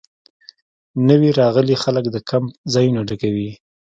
نوي راغلي خلک د کیمپ ځایونه ډکوي